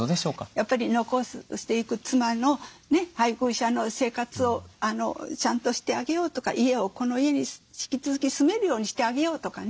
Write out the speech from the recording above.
やっぱり残していく妻の配偶者の生活をちゃんとしてあげようとかこの家に引き続き住めるようにしてあげようとかね。